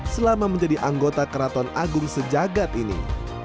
selama menjadi anggota keraton agung sejagat ini